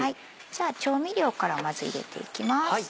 じゃあ調味料からまず入れていきます。